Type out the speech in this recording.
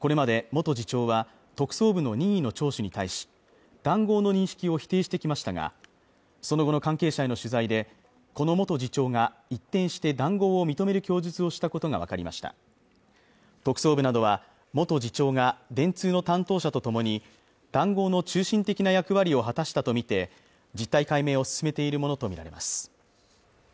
これまで元次長は特捜部の任意の聴取に対し談合の認識を否定してきましたがその後の関係者への取材でこの元次長が一転して談合を認める供述をしたことが分かりました特捜部などは元次長が電通の担当者とともに談合の中心的な役割を果たしたとみて実態解明を進めているものと見られます